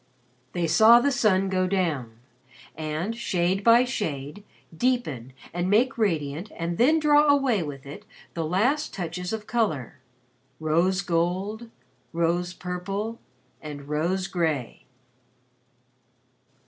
They saw the sun go down and, shade by shade, deepen and make radiant and then draw away with it the last touches of color rose gold, rose purple, and rose gray.